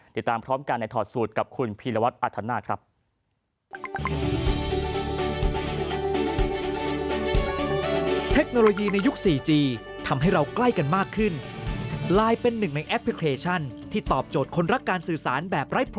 ติดตามพร้อมกันในถอดสูตรกับคุณพีรวัตรอัธนาคครับ